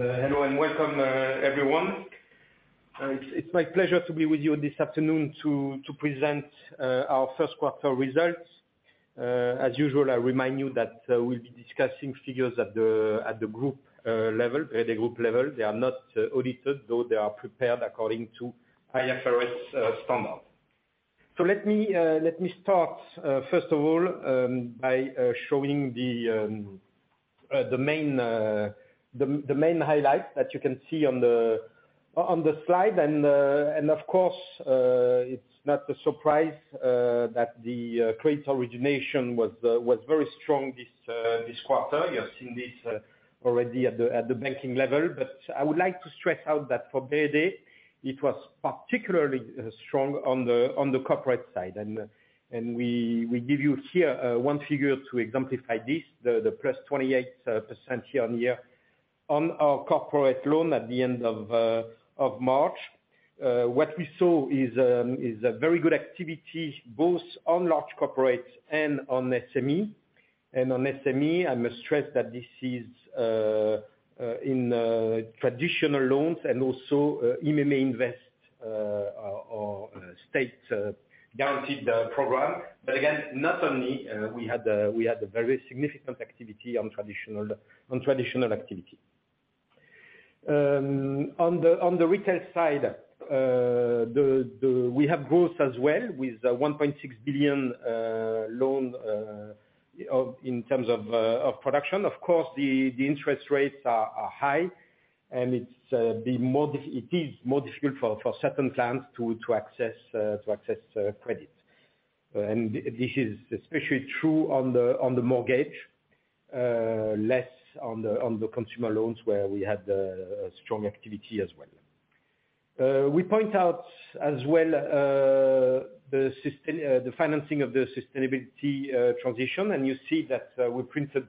Hello and welcome, everyone. It's my pleasure to be with you this afternoon to present our first quarter results. As usual, I remind you that we'll be discussing figures at the group level. They are not audited, though they are prepared according to IFRS standard. Let me start, first of all, by showing the main highlights that you can see on the slide. Of course, it's not a surprise that the credit origination was very strong this quarter. You have seen this already at the banking level. I would like to stress out that for BRD, it was particularly strong on the corporate side. We give you here one figure to exemplify this, the +28% year-on-year on our corporate loan at the end of March. What we saw is a very good activity both on large corporates and on SME. On SME, I must stress that this is in traditional loans, and also IMM Invest or state guaranteed program. Again, not only, we had a very significant activity on traditional activity. On the retail side, we have growth as well with RON 1.6 billion loan in terms of production. Of course, the interest rates are high, and it's it is more difficult for certain clients to access credit. This is especially true on the mortgage, less on the consumer loans, where we had strong activity as well. We point out as well the financing of the sustainability transition, and you see that we printed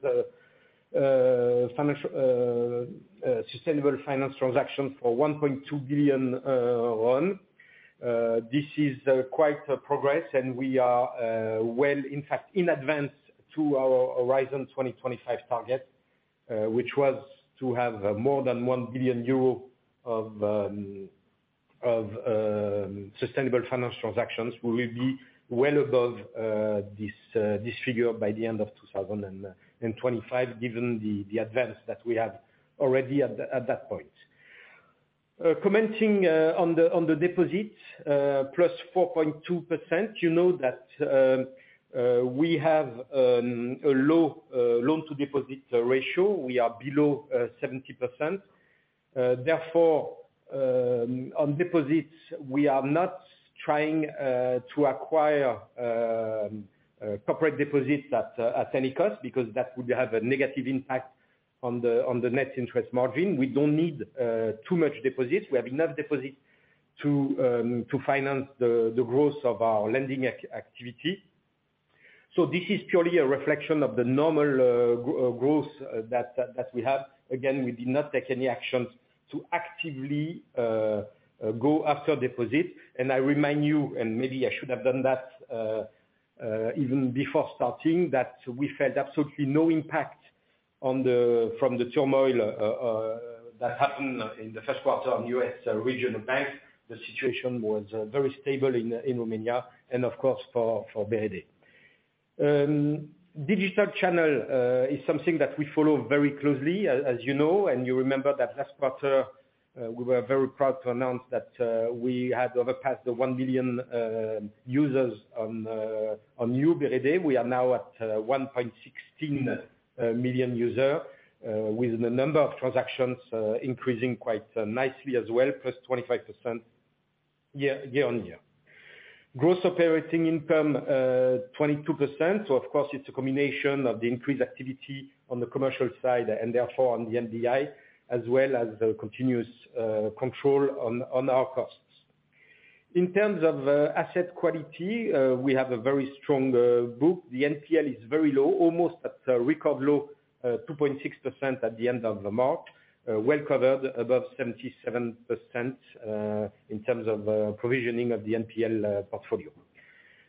sustainable finance transaction for RON 1.2 billion. This is quite a progress, and we are well, in fact, in advance to our Horizon 2025 target, which was to have more than 1 billion euro of sustainable finance transactions. We will be well above this figure by the end of 2025 given the advance that we have already at that point. Commenting on the deposits, +4.2%, you know that we have a low loan-to-deposit ratio. We are below 70%. Therefore, on deposits, we are not trying to acquire corporate deposits at any cost because that would have a negative impact on the net interest margin. We don't need too much deposits. We have enough deposits to finance the growth of our lending activity. This is purely a reflection of the normal growth that we have. Again, we did not take any actions to actively go after deposits. I remind you, and maybe I should have done that, even before starting, that we felt absolutely no impact from the turmoil that happened in the first quarter on U.S. regional banks. The situation was very stable in Romania, and of course for BRD. Digital channel is something that we follow very closely, as you know, and you remember that last quarter, we were very proud to announce that we had overpassed the 1 million users on YOU BRD. We are now at 1.16 million users, with the number of transactions increasing quite nicely as well, +25% year-on-year. Gross operating income, 22%. Of course, it's a combination of the increased activity on the commercial side, and therefore on the NBI, as well as the continuous control on our costs. In terms of asset quality, we have a very strong book. The NPL is very low, almost at a record low, 2.6% at the end of March. Well covered, above 77%, in terms of provisioning of the NPL portfolio.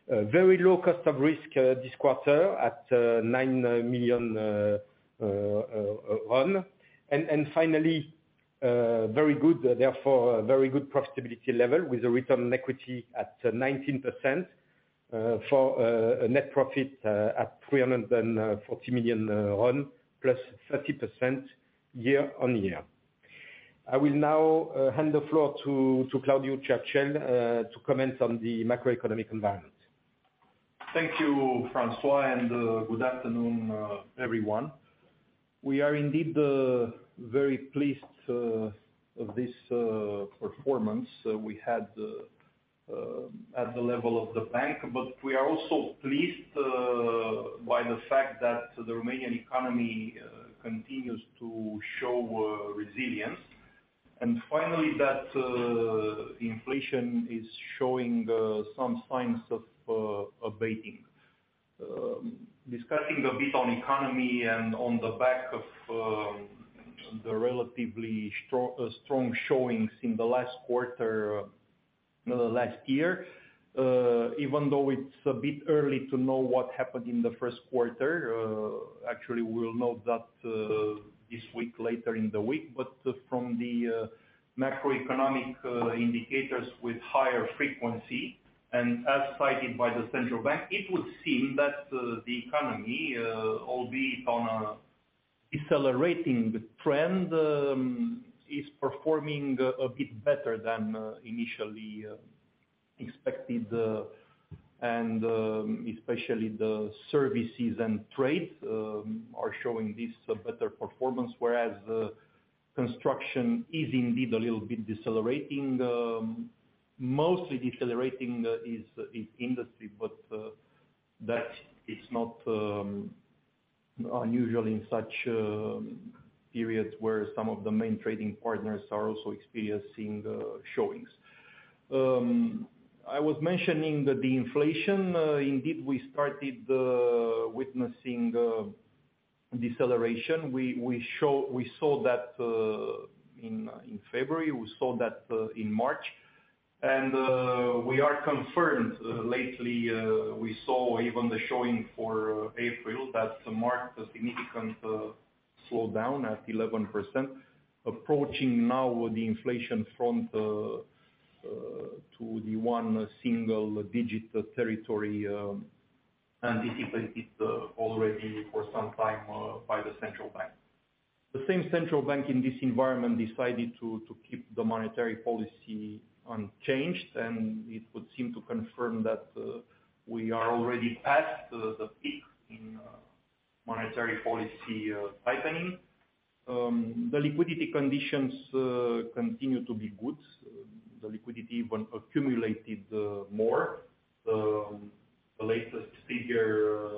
Very low cost of risk this quarter at RON 9 million. Finally, therefore, a very good profitability level with a Return on Equity at 19%, for a net profit at RON 340 million, plus 30% year-on-year. I will now hand the floor to Claudiu Cercel to comment on the macroeconomic environment. Thank you, François, and good afternoon, everyone. We are indeed very pleased of this performance we had at the level of the bank. We are also pleased by the fact that the Romanian economy continues to show resilience. Finally, that the inflation is showing some signs of abating. Discussing a bit on economy and on the back of the relatively strong showings in the last quarter-Last year, even though it's a bit early to know what happened in the first quarter, actually we'll know that this week, later in the week. From the macroeconomic indicators with higher frequency, and as cited by the central bank, it would seem that the economy, albeit on an accelerating trend, is performing a bit better than initially expected. Especially the services and trades are showing this better performance, whereas the construction is indeed a little bit decelerating. Mostly decelerating is industry, but that is not unusual in such periods where some of the main trading partners are also experiencing showings. I was mentioning that the inflation, indeed we started witnessing a deceleration. We saw that in February, we saw that in March. We are confirmed lately, we saw even the showing for April that marked a significant slowdown at 11%. Approaching now the inflation from the to the one single digit territory, anticipated already for some time by the central bank. The same central bank in this environment decided to keep the monetary policy unchanged, and it would seem to confirm that we are already past the peak in monetary policy tightening. The liquidity conditions continue to be good. The liquidity even accumulated more. The latest figure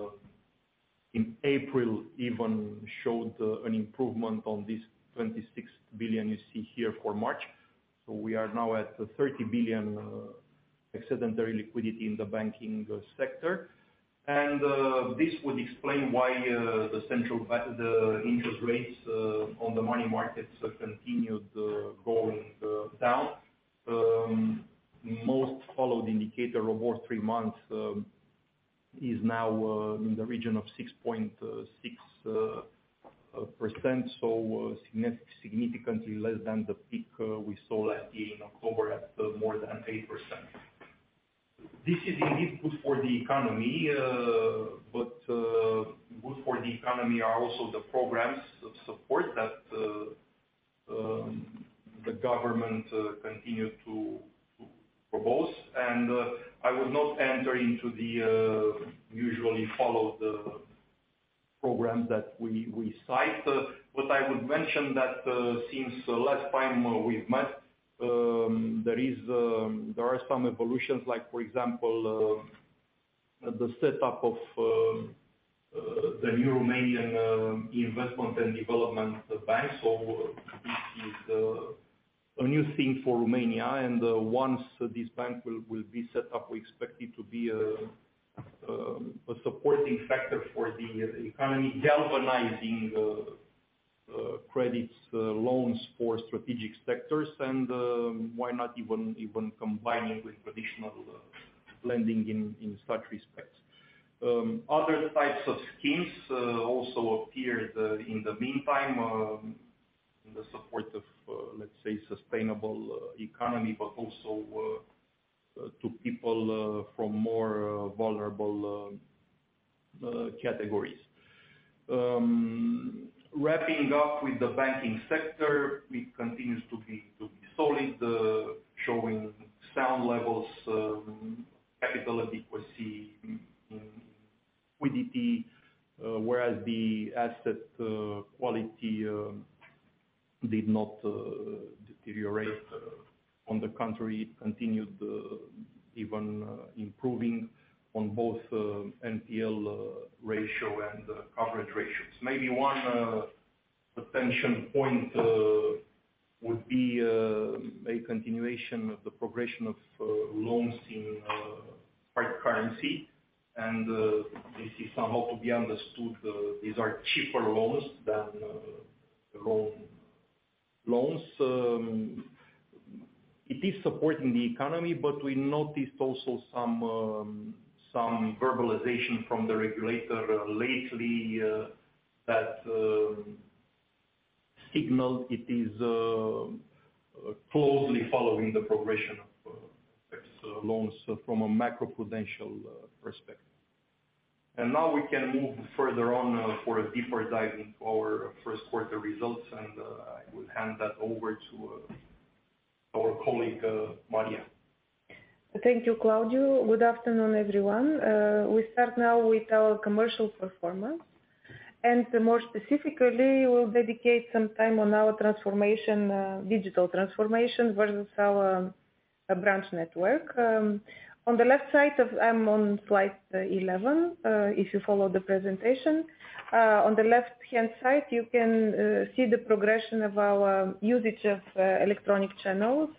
in April even showed an improvement on this RON 26 billion you see here for March. We are now at RON 30 billion excess monetary liquidity in the banking sector. This would explain why the interest rates on the money markets have continued going down. Most followed indicator of over three-month is now in the region of 6.6%, so significantly less than the peak we saw last year in October at more than 8%. This is indeed good for the economy, but good for the economy are also the programs of support that the government continued to propose. I will not enter into the usually followed programs that we cite. I would mention that since the last time we've met, there are some evolutions, like for example, the setup of the new Romanian Investment and Development Bank. This is a new thing for Romania, once this bank will be set up, we expect it to be a supporting factor for the economy, galvanizing credits, loans for strategic sectors and why not even combining with traditional lending in such respects. Other types of schemes also appeared in the meantime in the support of, let's say, sustainable economy, but also to people from more vulnerable categories. Wrapping up with the banking sector, it continues to be solid, showing sound levels of capital adequacy and liquidity, whereas the asset quality did not deteriorate. On the contrary, it continued even improving on both NPL ratio and coverage ratios. Maybe one attention point would be a continuation of the progression of loans in hard currency. This is somehow to be understood, these are cheaper loans than loans. It is supporting the economy, but we noticed also some verbalization from the regulator lately that signaled it is closely following the progression of these loans from a macroprudential perspective. Now we can move further on for a deeper dive in our first quarter results, and I will hand that over to our colleague Maria. Thank you, Claudiu. Good afternoon, everyone. We start now with our commercial performance. More specifically, we'll dedicate some time on our transformation, digital transformation versus our branch network. I'm on slide 11, if you follow the presentation. On the left-hand side, you can see the progression of our usage of electronic channels,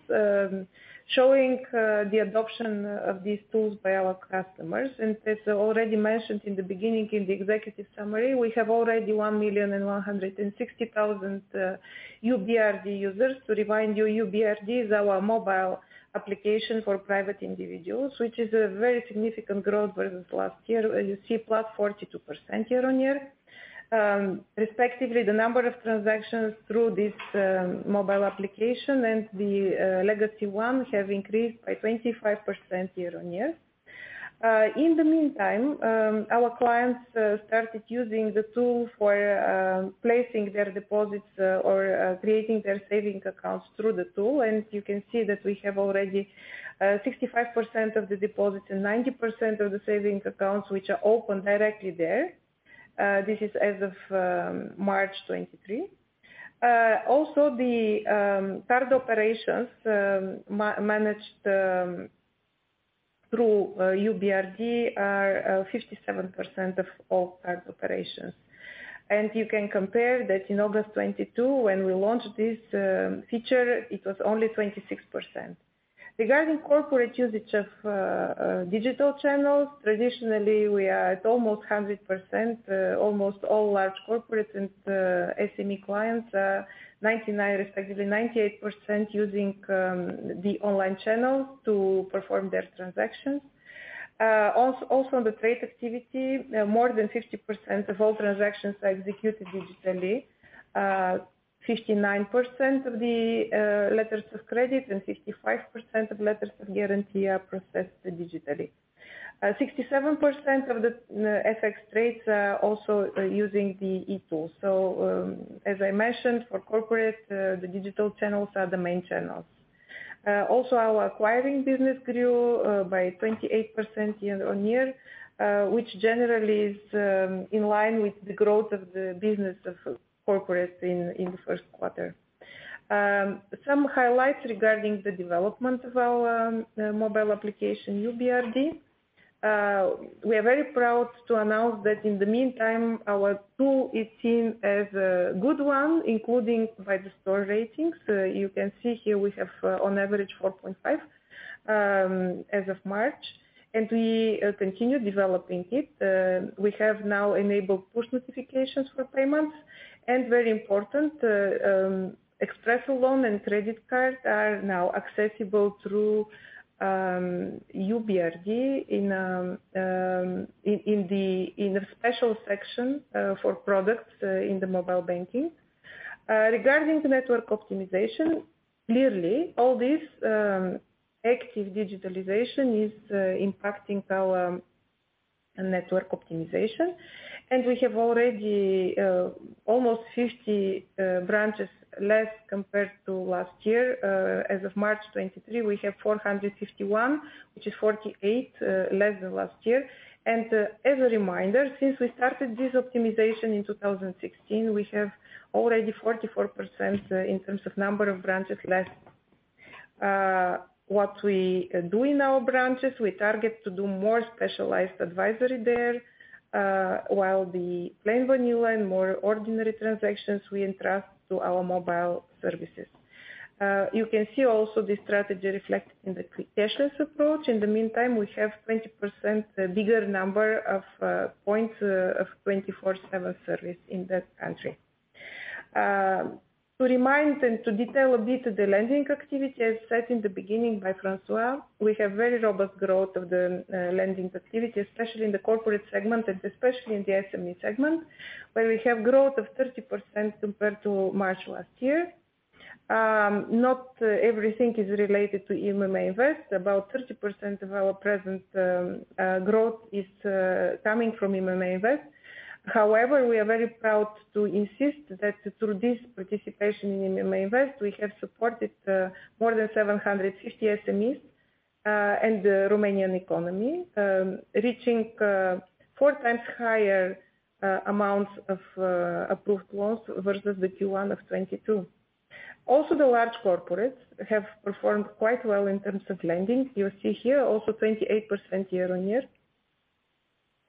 showing the adoption of these tools by our customers. As already mentioned in the beginning in the executive summary, we have already 1,160,000 YOU BRD users. To remind you, YOU BRD is our mobile application for private individuals, which is a very significant growth versus last year. You see +42% year-on-year. Respectively, the number of transactions through this mobile application and the legacy one have increased by 25% year-on-year. In the meantime, our clients started using the tool for placing their deposits or creating their savings accounts through the tool. You can see that we have already 65% of the deposits and 90% of the savings accounts which are opened directly there. This is as of March 2023. Also the card operations managed through YOU BRD are 57% of all card operations. You can compare that in August 2022 when we launched this feature, it was only 26%. Regarding corporate usage of digital channels, traditionally we are at almost 100%. Almost all large corporates and SME clients, 99%, respectively 98% using the online channel to perform their transactions. Also on the trade activity, more than 50% of all transactions are executed digitally. 59% of the letters of credit and 55% of letters of guarantee are processed digitally. 67% of the FX trades are also using the e-tool. As I mentioned, for corporate, the digital channels are the main channels. Also our acquiring business grew by 28% year-on-year, which generally is in line with the growth of the business of corporates in the first quarter. Some highlights regarding the development of our mobile application, YOU BRD. We are very proud to announce that in the meantime, our tool is seen as a good one, including by the store ratings. You can see here we have on average 4.5 as of March, we continue developing it. We have now enabled push notifications for payments, very important, Expresso loan and credit card are now accessible through YOU BRD in a special section for products in the mobile banking. Regarding the network optimization, clearly all this active digitalization is impacting our network optimization. We have already almost 50 branches less compared to last year. As of March 2023, we have 451, which is 48 less than last year. As a reminder, since we started this optimization in 2016, we have already 44% in terms of number of branches less. What we do in our branches, we target to do more specialized advisory there, while the plain vanilla and more ordinary transactions we entrust to our mobile services. You can see also the strategy reflected in the cashless approach. In the meantime, we have 20% bigger number of points of 24/7 service in that country. To remind and to detail a bit of the lending activity, as said in the beginning by François, we have very robust growth of the lending activity, especially in the corporate segment and especially in the SME segment, where we have growth of 30% compared to March last year. Not everything is related to IMM Invest. About 30% of our present growth is coming from IMM Invest. However, we are very proud to insist that through this participation in IMM Invest, we have supported more than 750 SMEs and the Romanian economy, reaching four times higher amounts of approved loans versus the Q1 of 2022. Also, the large corporates have performed quite well in terms of lending. You see here also 28% year-on-year.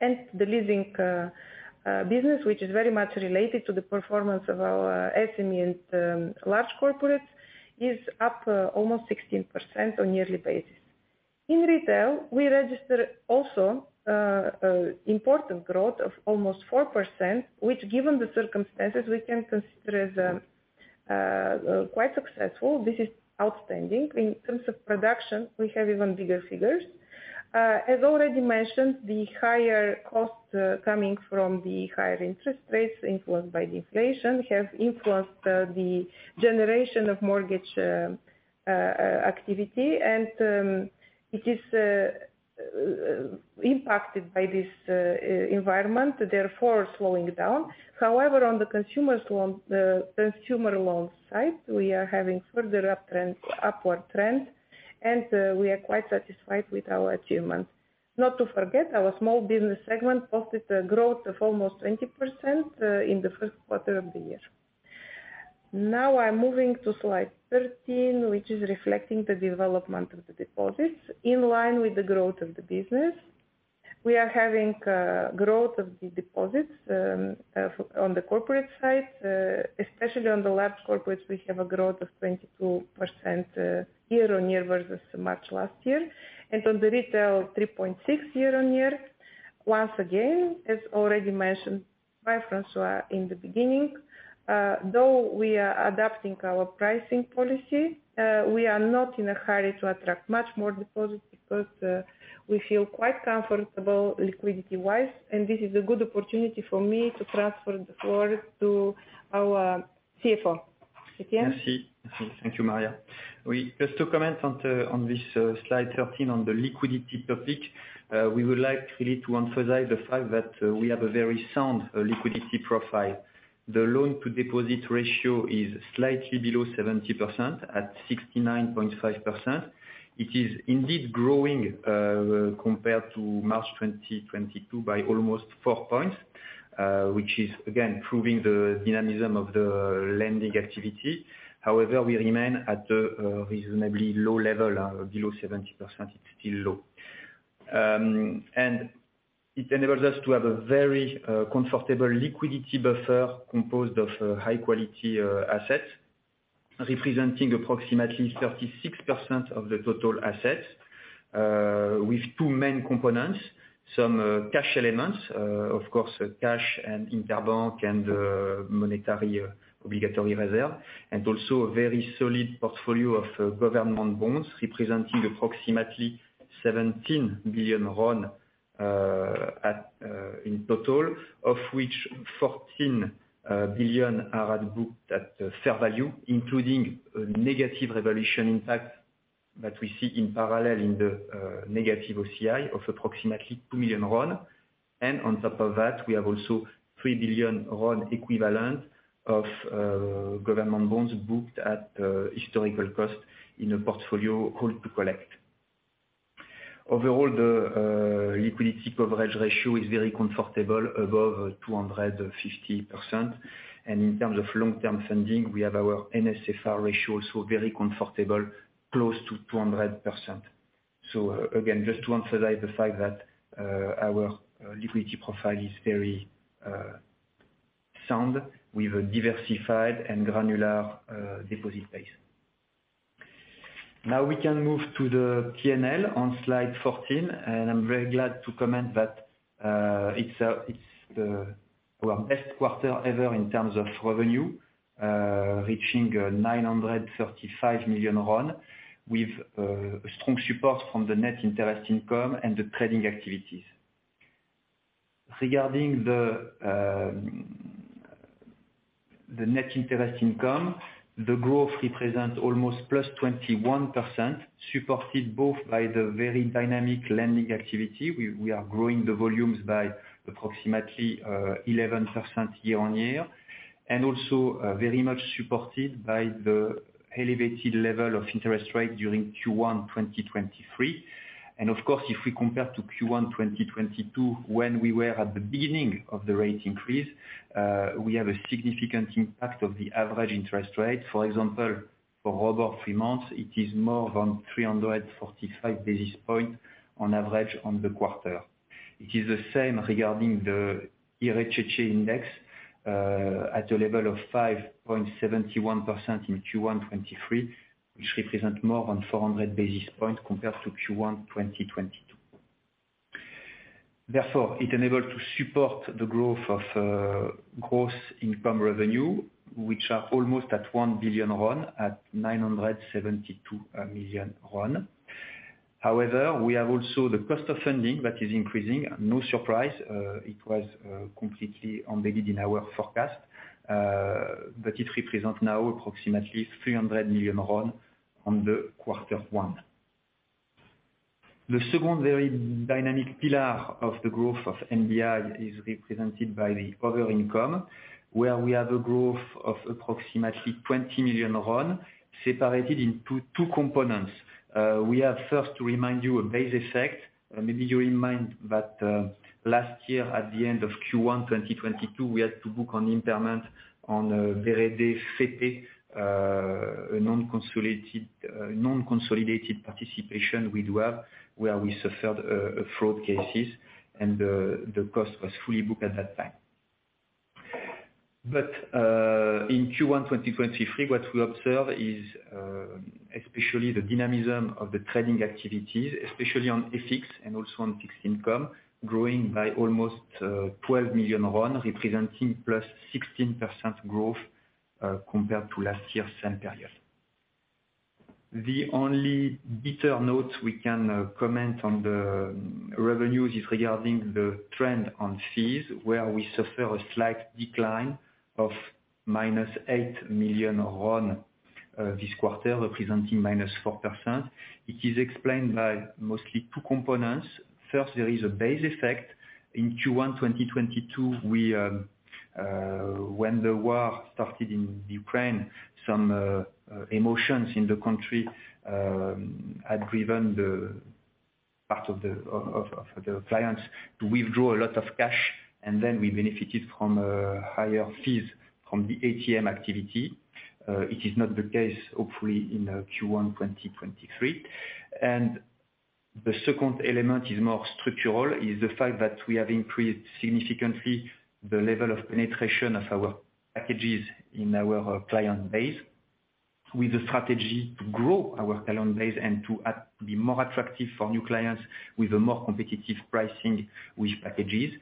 The leasing business, which is very much related to the performance of our SME and large corporates, is up almost 16% on yearly basis. In retail, we registered also important growth of almost 4%, which given the circumstances, we can consider as quite successful. This is outstanding. In terms of production, we have even bigger figures. As already mentioned, the higher costs coming from the higher interest rates influenced by the inflation have influenced the generation of mortgage activity. It is impacted by this environment, therefore slowing down. However, on the consumer loans side, we are having further uptrend, upward trend, and we are quite satisfied with our achievements. Not to forget, our small business segment posted a growth of almost 20% in the first quarter of the year. Now I'm moving to slide 13, which is reflecting the development of the deposits. In line with the growth of the business, we are having growth of the deposits on the corporate side. Especially on the large corporates, we have a growth of 22% year-on-year versus March last year. On the retail, 3.6% year-on-year. Once again, as already mentioned by François in the beginning, though we are adapting our pricing policy, we are not in a hurry to attract much more deposits because we feel quite comfortable liquidity-wise, and this is a good opportunity for me to transfer the floor to our CFO. Thank you, Maria. Just to comment on the, on this slide 13 on the liquidity topic, we would like really to emphasize the fact that we have a very sound liquidity profile. The loan-to-deposit ratio is slightly below 70% at 69.5%. It is indeed growing compared to March 2022 by almost 4 points, which is again proving the dynamism of the lending activity. However, we remain at the reasonably low level of below 70%, it's still low. It enables us to have a very comfortable liquidity buffer composed of high quality assets, representing approximately 36% of the total assets, with two main components, some cash elements, of course, cash and interbank and monetary obligatory reserve, also a very solid portfolio of government bonds representing approximately RON 17 billion in total, of which RON 14 billion are booked at fair value, including a negative revaluation impact that we see in parallel in the negative OCI of approximately RON 2 million. On top of that, we have also RON 3 billion equivalent of government bonds booked at historical cost in a portfolio hold to collect. Overall, the Liquidity Coverage Ratio is very comfortable above 250%. In terms of long-term funding, we have our NSFR ratio, very comfortable close to 200%. Again, just to emphasize the fact that our liquidity profile is very sound with a diversified and granular deposit base. Now we can move to the P&L on slide 14, and I'm very glad to comment that it's our best quarter ever in terms of revenue, reaching RON 935 million with strong support from the net interest income and the trading activities. Regarding the net interest income, the growth represents almost +21%, supported both by the very dynamic lending activity. We are growing the volumes by approximately 11% year-on-year, and also very much supported by the elevated level of interest rate during Q1 2023. Of course, if we compare to Q1, 2022, when we were at the beginning of the rate increase, we have a significant impact of the average interest rate. For example, for over three-month, it is more than 345 basis points on average on the quarter. It is the same regarding the IRCC index, at a level of 5.71% in Q1, 2023, which represents more than 400 basis points compared to Q1, 2022. It enabled to support the growth of growth in prime revenue, which are almost at RON 1 billion at RON 972 million. We have also the cost of funding that is increasing. No surprise, it was completely embedded in our forecast, but it represents now approximately RON 300 million on the Q1. The second very dynamic pillar of the growth of NBI is represented by the other income, where we have a growth of approximately RON 20 million separated into two components. We have first to remind you a base effect. Maybe you remind that, last year at the end of Q1, 2022, we had to book on impairment on Verpalin, a non-consolidated participation we do have, where we suffered fraud cases, and the cost was fully booked at that time. In Q1, 2023, what we observe is especially the dynamism of the trading activities, especially on FX and also on fixed income, growing by almost RON 12 million, representing +16% growth compared to last year's same period. The only bitter note we can comment on the revenues is regarding the trend on fees, where we suffer a slight decline of -RON 8 million this quarter, representing -4%. It is explained by mostly two components. First, there is a base effect. In Q1 2022, we, when the war started in Ukraine, some emotions in the country had driven the part of the clients to withdraw a lot of cash, and then we benefited from higher fees from the ATM activity. It is not the case, hopefully, in Q1 2023. The second element is more structural, is the fact that we have increased significantly the level of penetration of our packages in our client base with a strategy to grow our client base and to be more attractive for new clients with a more competitive pricing with packages.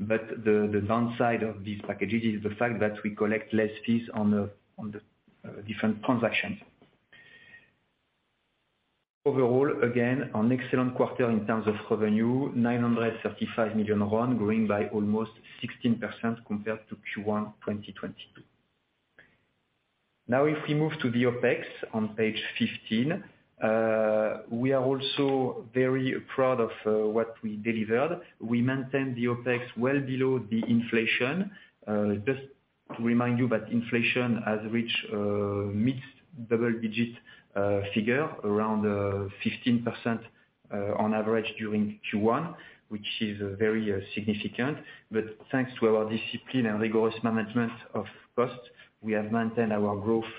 But the downside of these packages is the fact that we collect less fees on the, on the different transactions. Overall, again, an excellent quarter in terms of revenue, RON 935 million, growing by almost 16% compared to Q1 2022. Now if we move to the OpEx on page 15, we are also very proud of what we delivered. We maintained the OpEx well below the inflation. Just to remind you that inflation has reached mid-double-digit figure, around 15% on average during Q1, which is very significant. Thanks to our discipline and rigorous management of costs, we have maintained our growth,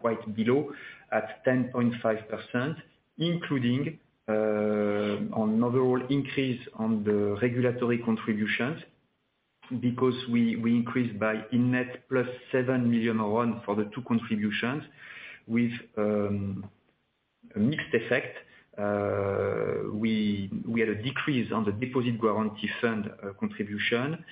quite below, at 10.5%, including on overall increase on the regulatory contributions, because we increased by in net +RON 7 million for the two contributions with a mixed effect. We had a decrease on the deposit guarantee fund contribution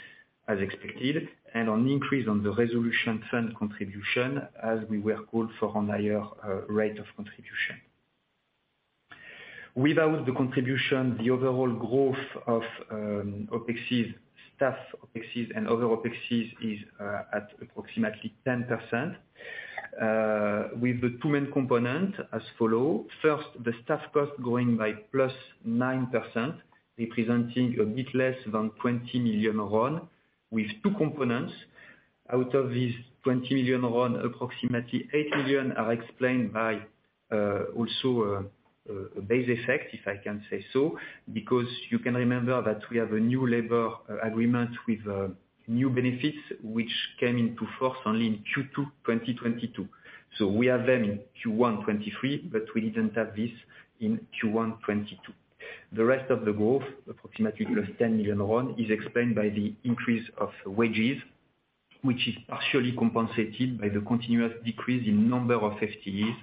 as expected, and an increase on the resolution fund contribution as we were called for a higher rate of contribution. Without the contribution, the overall growth of OpExes, staff OpExes and other OpExes is at approximately 10%, with the two main components as follow. First, the staff cost growing by +9%, representing a bit less than RON 20 million with two components. Out of these RON 20 million, approximately RON 8 million are explained by a base effect, if I can say so. You can remember that we have a new labor agreement with new benefits, which came into force only in Q2 2022. We have them in Q1 2023, but we didn't have this in Q1 2022. The rest of the growth, approximately +RON 10 million, is explained by the increase of wages, which is partially compensated by the continuous decrease in number of FTEs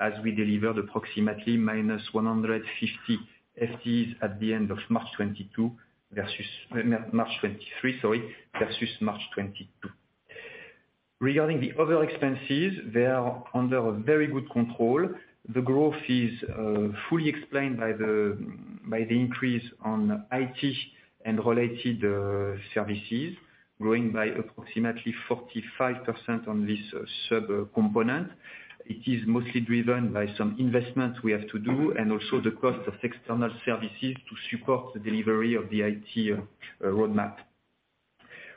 as we delivered approximately -150 FTEs at the end of March 2022 versus March 2023, sorry, versus March 2022. Regarding the other expenses, they are under very good control. The growth is fully explained by the increase on IT and related services, growing by approximately 45% on this sub-component. It is mostly driven by some investments we have to do, also the cost of external services to support the delivery of the IT roadmap.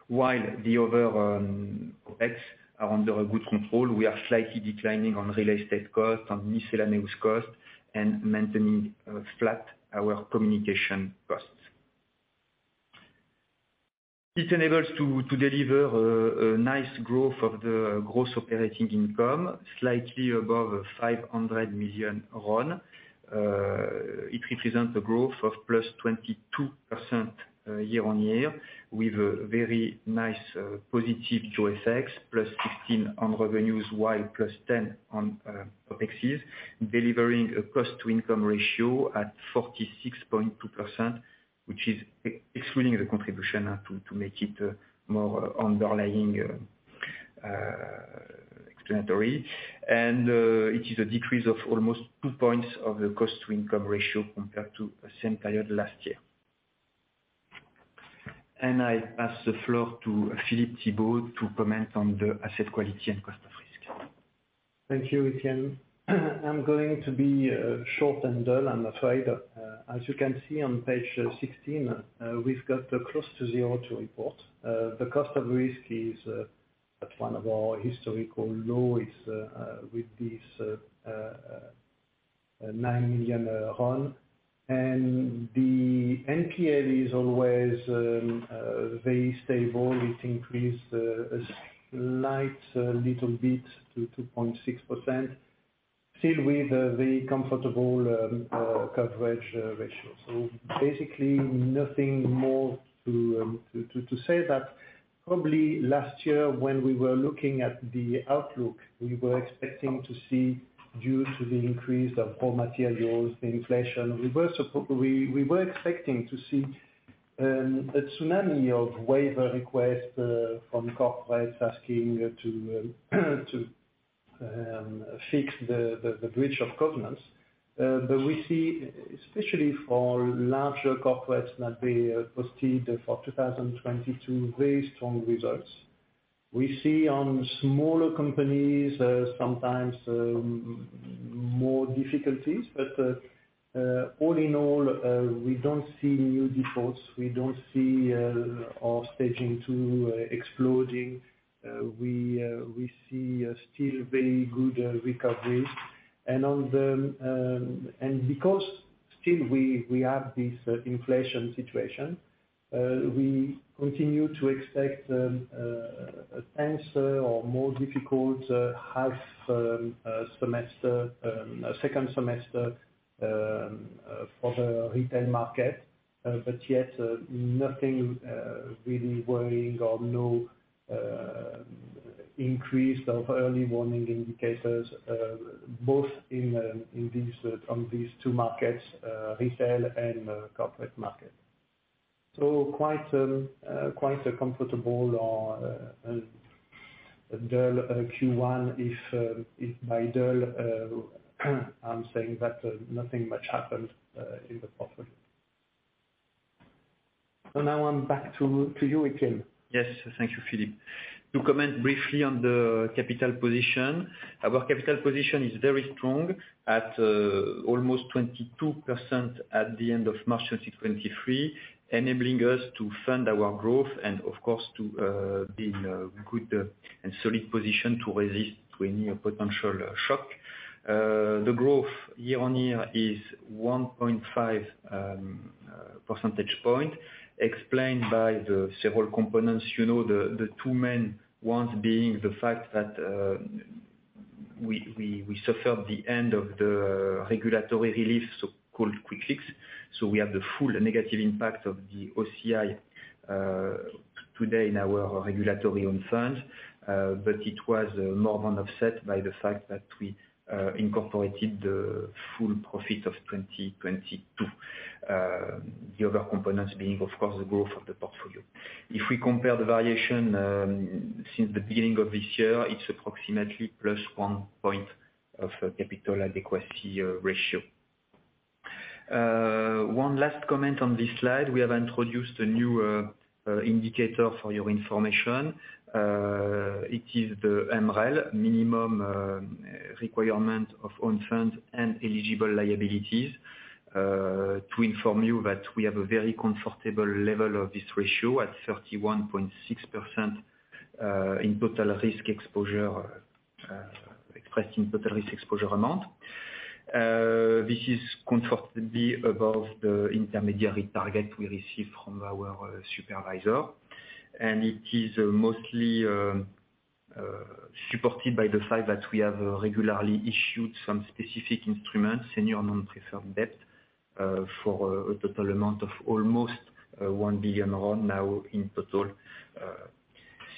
While the other OpEx are under good control, we are slightly declining on real estate costs, on miscellaneous costs, and maintaining flat our communication costs. It enables to deliver a nice growth of the gross operating income, slightly above RON 500 million. It represents a growth of +22% year-on-year with a very nice positive jaws effect, +15 on revenues, while +10 on OpExes, delivering a cost-to-income ratio at 46.2%, which is excluding the contribution to make it more underlying explanatory. It is a decrease of almost 2 points of the cost-to-income ratio compared to the same period last year. I pass the floor to Philippe Thibault to comment on the asset quality and cost of risk. Thank you, Etienne. I'm going to be short and dull, I'm afraid. As you can see on page 16, we've got close to zero to report. The cost of risk is at one of our historical lows, with this RON 9 million. The NPA is always very stable. It increased a slight little bit to 2.6%, still with the comfortable coverage ratio. Basically nothing more to say that probably last year when we were looking at the outlook, we were expecting to see due to the increase of raw materials, the inflation, we were expecting to see a tsunami of waiver requests from corporates asking to fix the breach of covenants. We see, especially for larger corporates that they posted for 2022, very strong results. We see on smaller companies, sometimes, more difficulties. All in all, we don't see new defaults. We don't see our Stage 2 exploding. We see still very good recoveries. Because still we have this inflation situation, we continue to expect a tense or more difficult half semester, second semester, for the retail market, but yet nothing really worrying or no increase of early warning indicators, both in these, on these two markets, retail and corporate market. Quite a comfortable, dull Q1 if by dull, I'm saying that nothing much happened in the portfolio. Now I'm back to you, Etienne. Thank you, Philippe. To comment briefly on the capital position. Our capital position is very strong at almost 22% at the end of March 2023, enabling us to fund our growth and of course, to be in a good and solid position to resist any potential shock. The growth year-on-year is 1.5 percentage point explained by the several components. You know, the two main ones being the fact that we suffered the end of the regulatory relief, so-called Quick Fix. We have the full negative impact of the OCI today in our regulatory own funds. It was more than offset by the fact that we incorporated the full profit of 2022. The other components being of course, the growth of the portfolio. If we compare the variation, since the beginning of this year, it's approximately +1 point of capital adequacy ratio. One last comment on this slide. We have introduced a new indicator for your information. It is the MREL, Minimum Requirement of Own Funds and Eligible Liabilities. To inform you that we have a very comfortable level of this ratio at 31.6% in total risk exposure, expressed in total risk exposure amount. This is comfortably above the intermediary target we received from our supervisor. It is mostly supported by the fact that we have regularly issued some specific instruments, senior non-preferred debt, for a total amount of almost RON 1 billion now in total,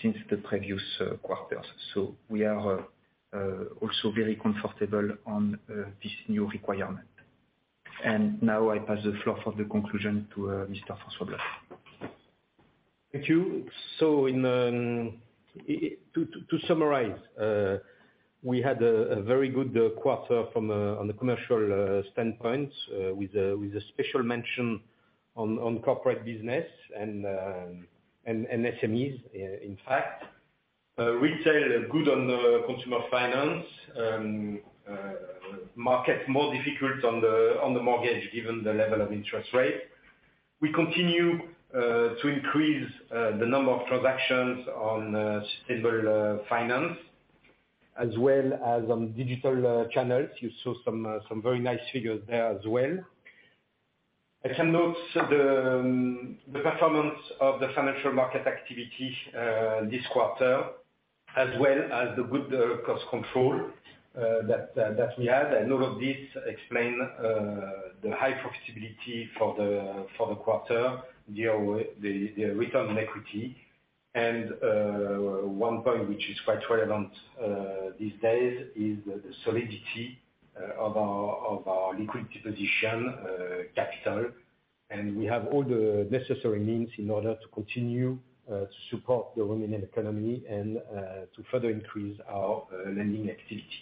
since the previous quarters. We are also very comfortable on this new requirement. Now I pass the floor for the conclusion to Mr. François Bloch. Thank you. To summarize, we had a very good quarter on the commercial standpoint, with a special mention on corporate business and SMEs in fact. Retail good on the consumer finance market more difficult on the mortgage given the level of interest rate. We continue to increase the number of transactions on stable finance as well as on digital channels. You saw some very nice figures there as well. I can note the performance of the financial market activity this quarter, as well as the good cost control that we had. All of this explain the high profitability for the quarter, the Return on Equity. One point which is quite relevant these days is the solidity of our, of our liquidity position, capital. We have all the necessary means in order to continue to support the Romanian economy and to further increase our lending activity.